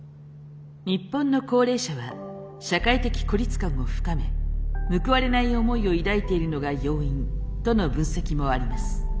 日本の高齢者は社会的孤立感を深め報われない思いを抱いているのが要因との分析もあります。